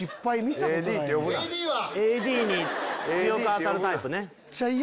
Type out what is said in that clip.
ＡＤは⁉ＡＤに強く当たるタイプね。